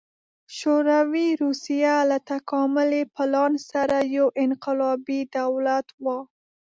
شوروي روسیه له تکاملي پلان سره یو انقلابي دولت و